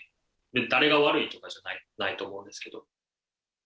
誰が悪いとかじゃないと思うんですけど。